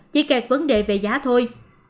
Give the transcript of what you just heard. chỉ kẹt vấn đề về giá thôi